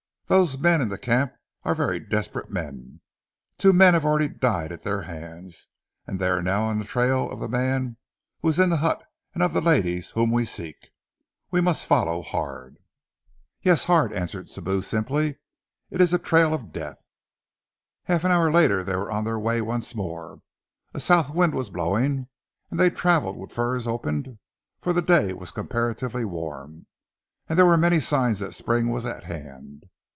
Those men in the camp are very desperate men. Two men already have died at their hands, and they are now on the trail of the man who was in the hut and of the ladies whom we seek. We must follow hard!" "Yes, hard!" answered Sibou simply. "It is a trail of death!" Half an hour later they were on the way once more. A south wind was blowing, and they travelled with furs opened, for the day was comparatively warm, and there were many signs that spring was at hand.